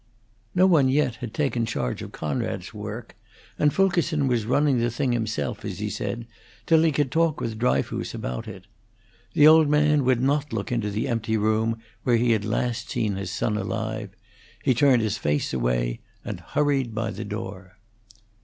No one yet had taken charge of Conrad's work, and Fulkerson was running the thing himself, as he said, till he could talk with Dryfoos about it. The old man would not look into the empty room where he had last seen his son alive; he turned his face away and hurried by the door.